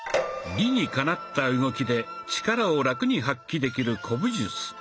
理にかなった動きで力をラクに発揮できる古武術。